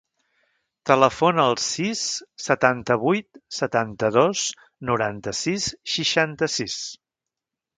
Telefona al sis, setanta-vuit, setanta-dos, noranta-sis, seixanta-sis.